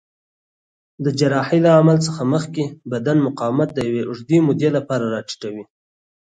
د جراحۍ له عمل څخه مخکې بدن مقاومت د یوې اوږدې مودې لپاره راټیټوي.